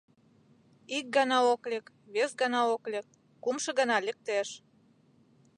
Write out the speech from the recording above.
Ик гана ок лек, вес гана ок лек, кумшо гана лектеш.